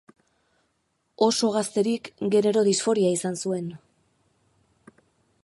Oso gazterik genero-disforia izan zuen.